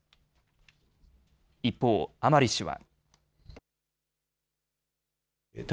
一方、甘利氏は。